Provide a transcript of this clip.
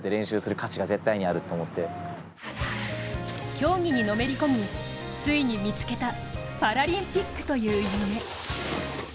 競技にのめり込みついに見つけたパラリンピックという夢。